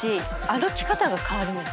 歩き方が変わるんです。